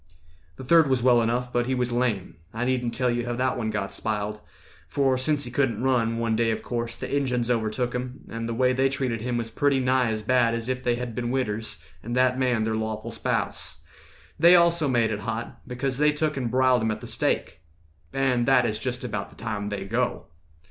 "The third was well enough, but he was lame; I needn't tell you how that one got spiled; For sense he couldn't run, one day, of course, The Injuns overtook him, and the way They treated him was pretty nigh as bad As if they had been widders, and that man Their lawful spouse. They also made it hot, Because they took and briled him at the stake. And that is just about the time they go.